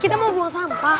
kita mau buang sampah